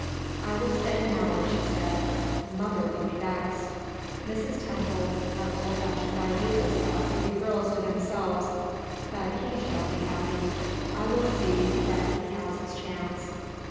"I will stay an hour," she said. "Mother will be vexed" Mrs. Temple had old fashioned ideas about leaving girls to themselves "but he shall be happy. I will see that he has his chance."